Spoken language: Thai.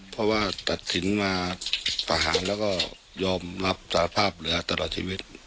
เพราะว่าตัดสินมาประหารแล้วก็ยอมรับสารภาพเหลือตลอดชีวิต